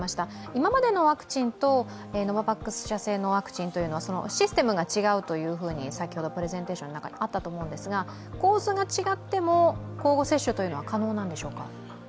今までのワクチンとノババックス社製のワクチンはシステムが違うと先ほどプレゼンテーションの中にありましたが構図が違っても交互接種は可能でしょうか？